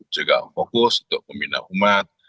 juga fokus untuk pembina umat